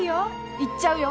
行っちゃうよ。